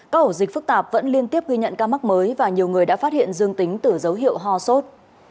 các ổ dịch phức tạp vẫn liên tiếp ghi nhận ca mắc mới và nhiều người đã phát hiện dương tính từ dấu hiệu ho sốt